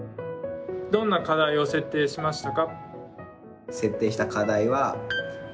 どんな課題を設定しましたか？